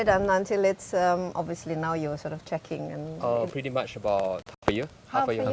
jadi saya yakin kamu akan menghasilkan uang